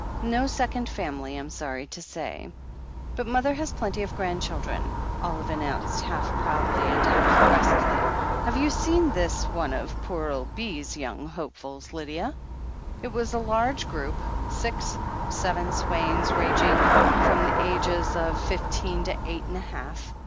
No second family, I'm sorry to say.*' "But mother has plenty of grandchildren," Olive announced, half proudly and half aggressively. "Have you seen this one of pore ole Bee's young hopefuls, Lydia?" It was a large group. Six — seven, Swaines, rang ing from the ages of fifteen to eight and a half.